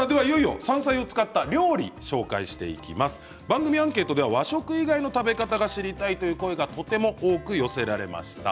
番組アンケートでは和食以外の食べ方が知りたいという声がとても多く寄せられました。